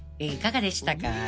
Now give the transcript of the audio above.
［いかがでしたか？］